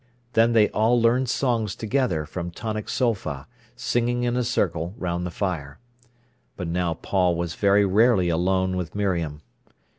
Then they all learned songs together from tonic sol fa, singing in a circle round the fire. But now Paul was very rarely alone with Miriam.